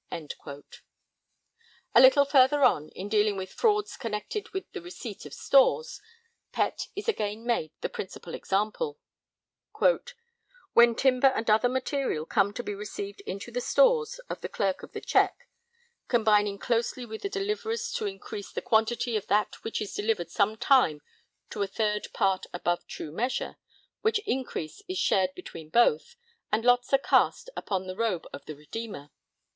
A little further on, in dealing with frauds connected with the receipt of stores, Pett is again made the principal example: When timber and other materials come to be received into the stores, of the Clerk of the Check combining closely with the deliverers to increase the quantity of that which is delivered some time to a third part above true measure, which increase is shared between both, and lots are cast upon the robe of the Redeemer.